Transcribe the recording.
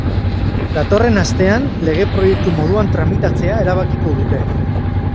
Datorren astean lege proiektu moduan tramitatzea erabakiko dute.